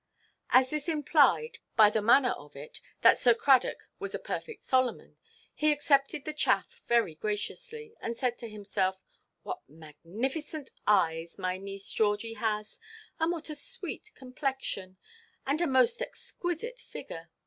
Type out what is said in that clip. As this implied, by the manner of it, that Sir Cradock was a perfect Solomon, he accepted the chaff very graciously, and said to himself, "What magnificent eyes my niece Georgie has, and what a sweet complexion, and a most exquisite figure!